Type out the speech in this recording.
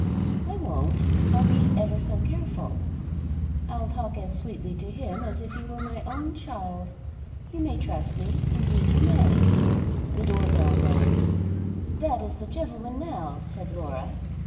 "I won't; I'll be ever so careful. I'll talk as sweetly to him as if he were my own child! You may trust me indeed you may." The door bell rang. "That is the gentleman now," said Laura.